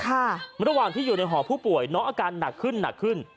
ระหว่างที่อยู่ในหอผู้ป่วยน้องอาการหนักขึ้นหนักขึ้น